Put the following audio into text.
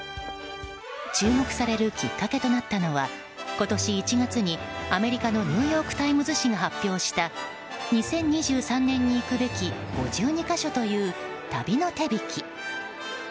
注目されるきっかけとなったのは今年１月にアメリカのニューヨーク・タイムズ紙が発表した２０２３年に行くべき５２か所という、旅の手引き。